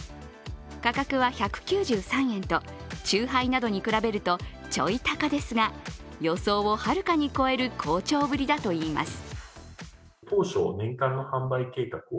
価格は１９３円と、チューハイなどと比べるとちょい高ですが、予想をはるかに超える好調ぶりだといいます。